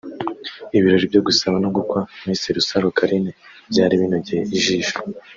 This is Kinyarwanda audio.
Ibirori byo gusaba no gukwa Miss Rusaro Carine byari binogeye ijisho